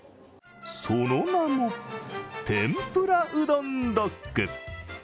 その名も天ぷらうどんドッグ。